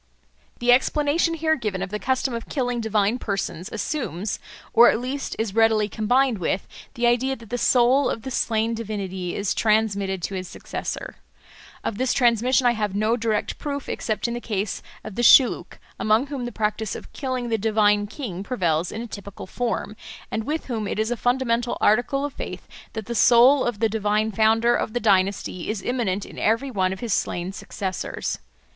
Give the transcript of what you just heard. The explanation here given of the custom of killing divine persons assumes, or at least is readily combined with, the idea that the soul of the slain divinity is transmitted to his successor. Of this transmission I have no direct proof except in the case of the Shilluk, among whom the practice of killing the divine king prevails in a typical form, and with whom it is a fundamental article of faith that the soul of the divine founder of the dynasty is immanent in every one of his slain successors.